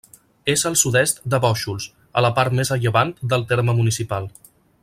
És al sud-est de Bóixols, a la part més a llevant del terme municipal.